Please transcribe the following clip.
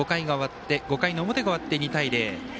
５回の表が終わって２対０。